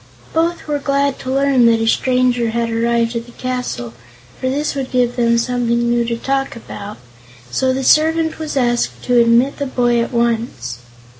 Both were glad to learn that a stranger had arrived at the castle, for this would give them something new to talk about, so the servant was asked to admit the boy at once.